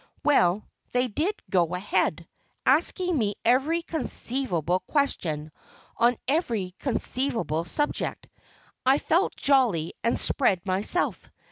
Well, they did "go ahead," asking me every conceivable question, on every conceivable subject. I felt jolly and "spread myself."